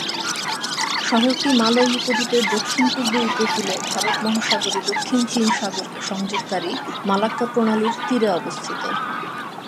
শহরটি মালয় উপদ্বীপের দক্ষিণ-পূর্ব উপকূলে, ভারত মহাসাগর ও দক্ষিণ চীন সাগরকে সংযোগকারী মালাক্কা প্রণালীর তীরে অবস্থিত।